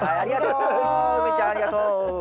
うみちゃんありがとう。